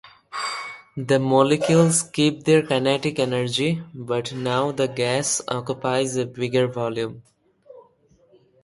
The molecules keep their kinetic energy, but now the gas occupies a bigger volume.